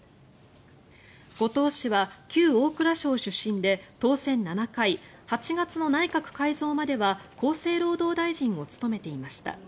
後藤氏は旧大蔵省出身で当選７回８月の内閣改造までは厚生労働大臣を務めていました。